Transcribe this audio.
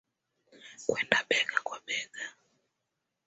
kwenda bega kwa bega